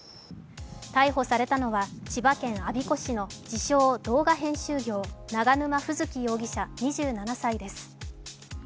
逮捕されたのは千葉県我孫子市の自称・動画編集業、永沼楓月容疑者２７歳です。